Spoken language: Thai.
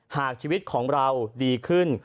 หากชีวิตของเราดีขึ้น